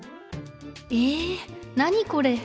え何これ？